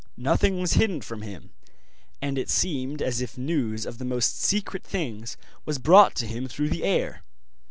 Nothing was hidden from him, and it seemed as if news of the most secret things was brought to him through the air.